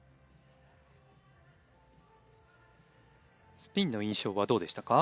スピンの印象はどうでしたか？